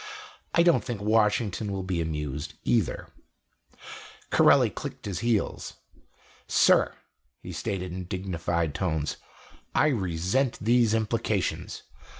I don't think Washington will be amused, either." Corelli clicked his heels. "Sir," he stated in dignified tones, "I resent these implications.